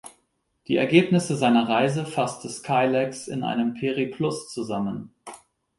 Die Ergebnisse seiner Reise fasste Skylax in einem Periplus zusammen.